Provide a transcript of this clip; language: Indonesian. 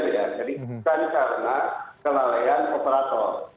kalau itu kan berarti pemerintah yang harus memisahkan karena ini kan force major ya